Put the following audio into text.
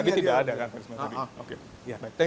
tadi tidak ada kan